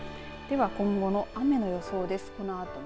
では今後の雨の予想です。